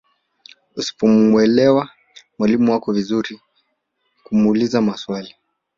Usipomwelewa mwalimu wako ni vizuri kumuuliza maswali.